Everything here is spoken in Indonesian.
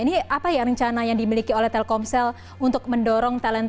ini apa ya rencana yang dimiliki oleh telkomsel untuk mendorong talenta